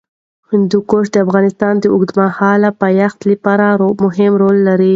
هندوکش د افغانستان د اوږدمهاله پایښت لپاره مهم رول لري.